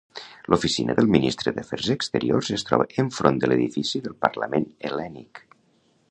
L'oficina del Ministre d'Afers Exteriors es troba enfront de l'edifici del Parlament Hel·lènic.